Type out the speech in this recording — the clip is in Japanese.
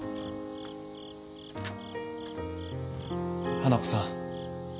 花子さん。